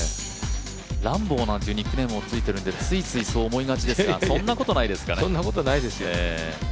ランボーなんてニックネームもついてるのでついついそう思いがちですが、そんなことないですね。